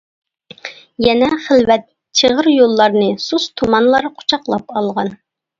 يەنە خىلۋەت چىغىر يوللارنى، سۇس تۇمانلار قۇچاقلاپ ئالغان.